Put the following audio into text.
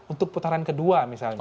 untuk putaran kedua misalnya